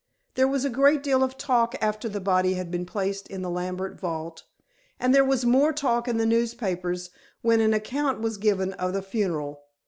There was a great deal of talk after the body had been placed in the Lambert vault, and there was more talk in the newspapers when an account was given of the funeral.